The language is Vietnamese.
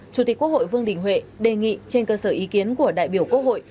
chủ tịch quốc hội vương đình huệ đề nghị trên cơ sở ý kiến của đại biểu quốc hội